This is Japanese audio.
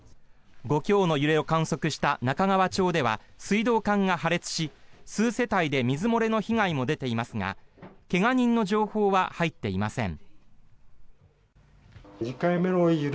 ５強の揺れを観測した中川町では水道管が破裂し数世帯で水漏れの被害も出ていますが怪我人の情報は入っていません。